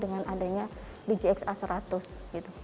dengan bantuan dari dgx a seratus ini